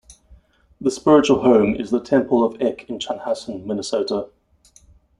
The spiritual home is the Temple of Eck in Chanhassen, Minnesota.